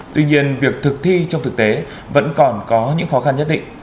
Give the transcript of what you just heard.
tuy nhiên việc thực thi trong thực tế vẫn còn có những khó khăn nhất định